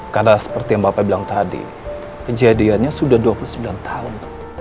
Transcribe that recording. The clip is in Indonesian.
karena seperti yang bapak bilang tadi kejadiannya sudah dua puluh sembilan tahun